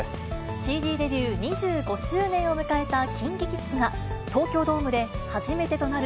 ＣＤデビュー２５周年を迎えたＫｉｎＫｉＫｉｄｓが、東京ドームで初めてとなる